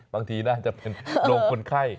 บางทีน่าจะเป็นโรงคนไข้